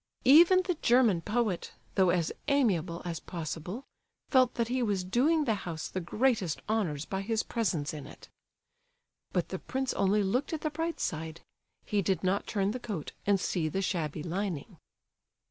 Even the German poet, though as amiable as possible, felt that he was doing the house the greatest of honours by his presence in it. But the prince only looked at the bright side; he did not turn the coat and see the shabby lining.